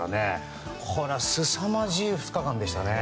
すさまじい２日間でしたね。